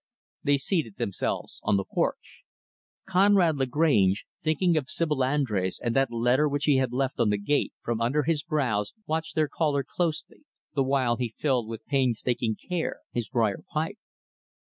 They seated themselves on the porch. Conrad Lagrange thinking of Sibyl Andrés and that letter which he had left on the gate from under his brows, watched their caller closely; the while he filled with painstaking care his brier pipe.